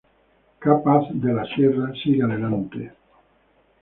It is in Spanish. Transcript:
K-Paz de la Sierra sigue adelante.